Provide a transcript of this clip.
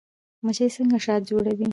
مچۍ څنګه شات جوړوي؟